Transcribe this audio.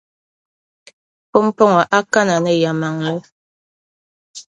Pumpɔŋɔ a kana ni yεlimaŋli